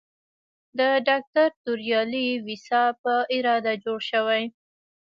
د ډاکټر توریالي ویسا په اراده جوړ شوی.